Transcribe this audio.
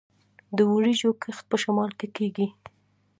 د وریجو کښت په شمال کې کیږي.